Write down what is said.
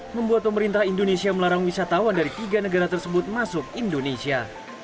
membuat pemerintah indonesia melarang wisatawan dari tiga negara tersebut masuk indonesia